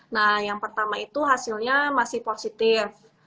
nah yang pertama itu hasilnya masih positif